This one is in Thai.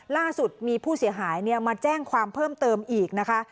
ล่าสุดมีผู้เสียหายมาแจ้งความเพิ่มเติมอีกนะคะ